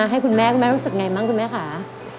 ให้คุณแม่คุณแม่รู้สึกไงบ้างคุณแม่คะ